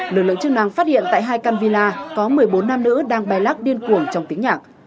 lực lượng chức năng phát hiện tại hai can villa có một mươi bốn nam nữ đang bay lắc điên cuồng trong tiếng nhạc